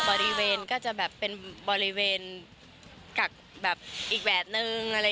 บริเวณก็จะแบบเป็นบริเวณกักแบบอีกแบบนึง